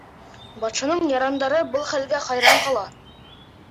Батшаның ярандары был хәлгә хайран ҡала.